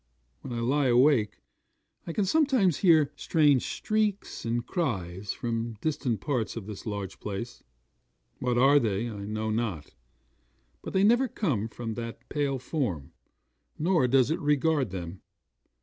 When I lie awake, I can sometimes hear strange shrieks and cries from distant parts of this large place. What they are, I know not; but they neither come from that pale form, nor does it regard them.